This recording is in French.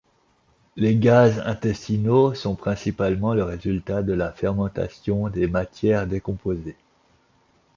Les gaz intestinaux sont principalement le résultat de la fermentation des matières décomposées.